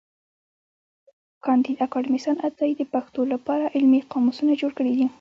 کانديد اکاډميسن عطايي د پښتو له پاره علمي قاموسونه جوړ کړي دي.